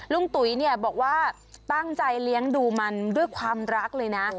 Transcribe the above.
ตุ๋ยเนี่ยบอกว่าตั้งใจเลี้ยงดูมันด้วยความรักเลยนะ